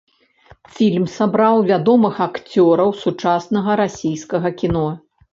Фільм сабраў вядомых акцёраў сучаснага расійскага кіно.